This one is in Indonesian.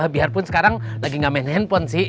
biarpun sekarang lagi nggak main handphone sih